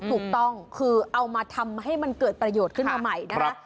ถูกต้องคือเอามาทำให้มันเกิดประโยชน์ขึ้นมาใหม่นะคะ